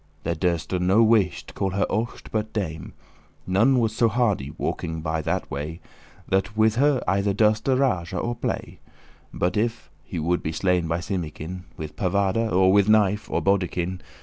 There durste no wight call her aught but Dame: None was so hardy, walking by that way, That with her either durste *rage or play*, *use freedom* *But if* he would be slain by Simekin *unless With pavade, or with knife, or bodekin.